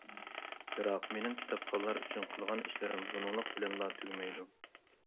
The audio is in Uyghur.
بىراق، مېنىڭ كىتابخانلار ئۈچۈن قىلغان ئىشلىرىم بۇنىڭلىق بىلەنلا تۈگىمەيدۇ.